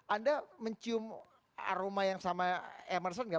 anda mencium aroma yang sama emerson gak